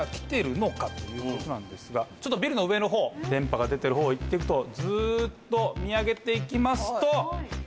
ちょっとビルの上のほう電波が出てるほう行ってみるとずっと見上げていきますと。